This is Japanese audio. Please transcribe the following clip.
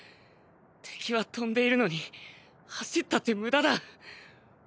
敵は飛んでいるのに走ったって無駄だ。